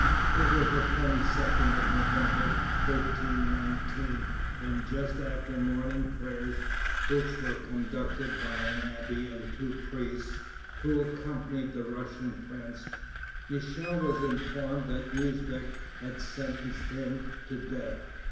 It was the 22d of November, 1319, when, just after morning prayers, which were conducted by an abbé and two priests, who accompanied the Russian prince, Michel was informed that Usbeck had sentenced him to death.